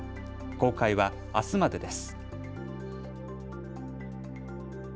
公開は、あすまでです。